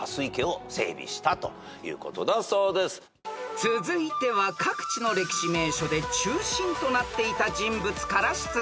［続いては各地の歴史名所で中心となっていた人物から出題］